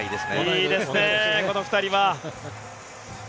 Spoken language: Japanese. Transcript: いいですね、この２人は。